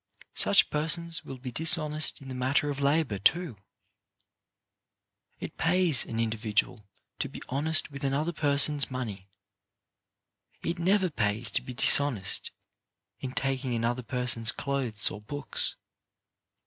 Such persons will be dishonest in the matter of labour, too. WHAT WILL PAY 89 It pays an individual to be honest with another person's money. It never pays to be dishonest in taking another person's clothes or books.